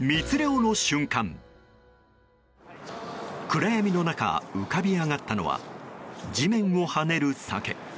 暗闇の中、浮かび上がったのは地面を跳ねるサケ。